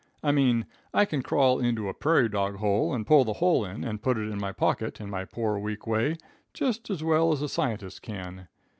I mean I can crawl into a prairie dog hole, and pull the hole in and put it in my pocket, in my poor, weak way, just as well as a scientist can.